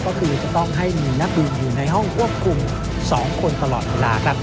ก็คือจะต้องให้มีนักบินอยู่ในห้องควบคุม๒คนตลอดเวลาครับ